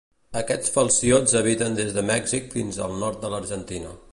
Aquests falciots habiten des de Mèxic fins al nord de l'Argentina.